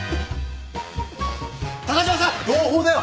高島さん朗報だよ！